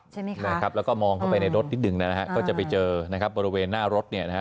ใช่ไหมคะนะครับแล้วก็มองเข้าไปในรถนิดหนึ่งนะฮะก็จะไปเจอนะครับบริเวณหน้ารถเนี่ยนะฮะ